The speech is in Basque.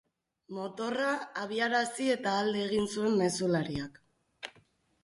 Motorra abiarazi eta alde egin zuen mezulariak.